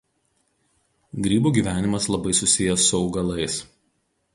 Grybų gyvenimas labai susijęs su augalais.